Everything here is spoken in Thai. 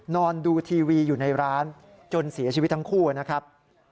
นอนดูทีวีอยู่ในร้านจนเสียชีวิตทั้งคู่นะครับ